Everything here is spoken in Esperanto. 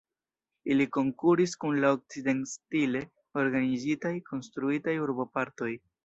Ili konkuris kun la okcident-stile organizitaj, konstruitaj urbopartoj.